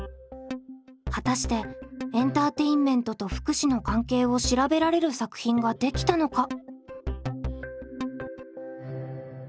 果たしてエンターテインメントと福祉の関係を調べられる作品ができたのか？